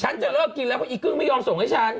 ฉันจะเลิกกินแล้วเพราะอีกึ้งไม่ยอมส่งให้ฉัน